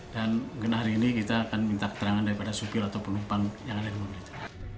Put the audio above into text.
dan mengenai hari ini kita akan minta keterangan daripada supil atau penumpang yang ada di mobil itu